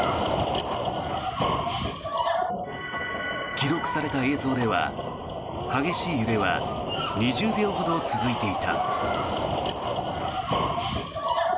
記録された映像では激しい揺れは２０秒ほど続いていた。